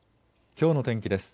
きょうの天気です。